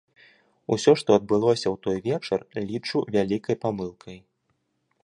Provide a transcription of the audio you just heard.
Усё, што адбылося ў той вечар, лічу вялікай памылкай.